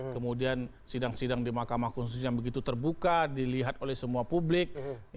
kemudian sidang sidang di mahkamah konstitusi yang begitu terbuka dilihat oleh semua publik